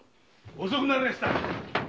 ・遅くなりやした。